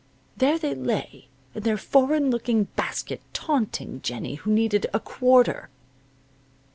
There they lay, in their foreign looking basket, taunting Jennie who needed a quarter.